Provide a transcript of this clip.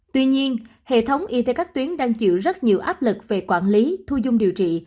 tuy nhiên hệ thống y tế các tuyến đang chịu rất nhiều áp lực về quản lý thu dung điều trị